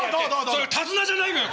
それ手綱じゃないのよ